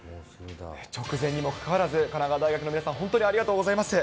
直前にもかかわらず、神奈川大学の皆さん、本当にありがとうございます。